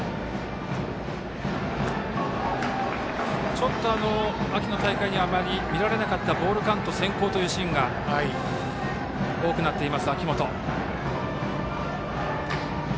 ちょっと、秋の大会ではあまり見られなかったボールカウント先行というシーンが多くなっています、秋本。